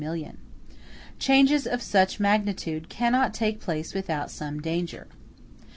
*e Changes of such magnitude cannot take place without some danger.